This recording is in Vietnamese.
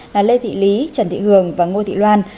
là lê thị lý trần thị hường và ngô thị loan